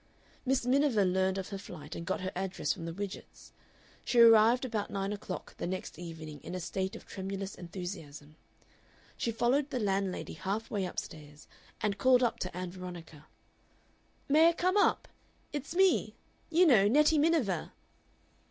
Miss Miniver learned of her flight and got her address from the Widgetts. She arrived about nine o'clock the next evening in a state of tremulous enthusiasm. She followed the landlady half way up stairs, and called up to Ann Veronica, "May I come up? It's me! You know Nettie Miniver!"